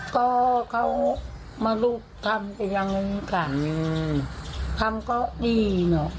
ก็เขามารูปทำกันอย่างนึงค่ะทำก็ดี